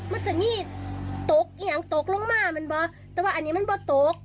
มันจะงี้ตกอย่างตกลงมามันเปาะแต่ว่าอันนี้มันไม่เปล่าตก